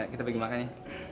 kita pergi makan ya